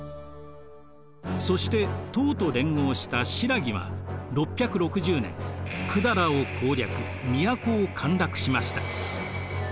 そして唐と連合した新羅は６６０年百済を攻略都を陥落しました。